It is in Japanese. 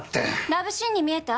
ラブシーンに見えた？